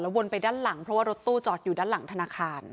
วนไปด้านหลังเพราะว่ารถตู้จอดอยู่ด้านหลังธนาคาร